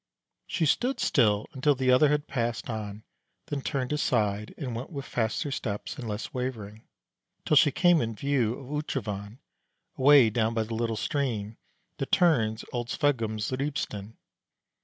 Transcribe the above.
She stood still until the other had passed on, then turned aside, and went with faster steps and less wavering, till she came in view of Utrovand, away down by the little stream that turns old Sveggum's ribesten.